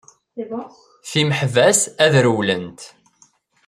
Timeḥbas ad rewwlent!